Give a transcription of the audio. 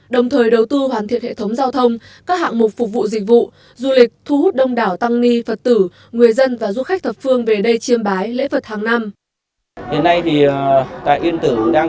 đồng thời đầu tư hoàn thiện hệ thống giao thông các hạng mục phục vụ dịch vụ du lịch thu hút đông đảo tăng nghi phật tử người dân và du khách thập phương về đây chiêm bái lễ phật hàng năm